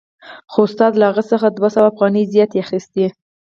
خو استاد له هغه څخه دوه سوه افغانۍ زیاتې اخیستې